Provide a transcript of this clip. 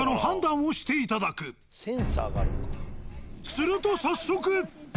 すると早速！